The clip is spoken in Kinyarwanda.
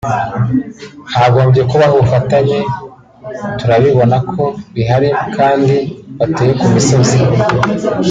hagombye kubaho ubufatanye turabibona ko bihari kandi batuye ku musozi